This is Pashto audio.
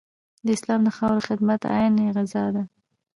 د اسلام د خاورې خدمت عین غزا ده.